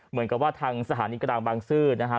เหมือนกับว่าทางสถานีกลางบางซื่อนะฮะ